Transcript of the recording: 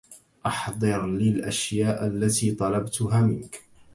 أحضرلي الأشياء التي طلبتها منك.